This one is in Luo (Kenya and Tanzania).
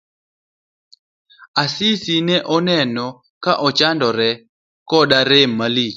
Asisi ne oneno ka ochandore koda rem malich.